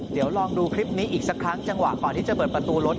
เดี๋ยวลองดูคลิปนี้อีกสักครั้งจังหวะก่อนที่จะเปิดประตูรถ